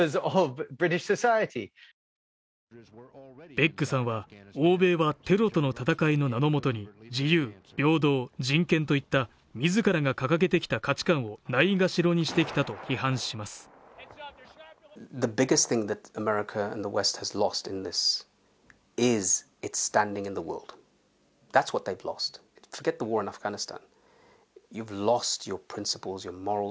ベッグさんは、欧米はテロとの戦いの名の下に自由・平等・人権といった自らが掲げてきた価値観をないがしろにしてきたと批判します。